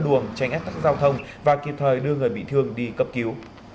luồng tránh ách tắc giao thông và kịp thời đưa người bị thương đi cấp cứu